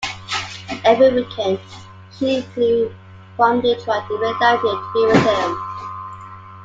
Every weekend she flew from Detroit to Philadelphia to be with him.